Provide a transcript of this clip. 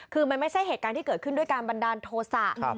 คือมันไม่ใช่เหตุการณ์ที่เกิดขึ้นด้วยการบันดาลโทษะ